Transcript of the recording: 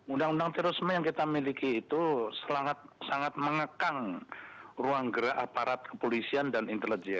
undang undang terorisme yang kita miliki itu sangat mengekang ruang gerak aparat kepolisian dan intelijen